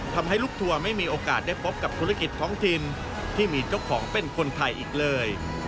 ทำให้ลูกทัวร์ไม่มีโอกาสได้พบกับธุรกิจท้องถิ่นที่มีเจ้าของเป็นคนไทยอีกเลย